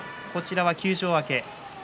休場明け。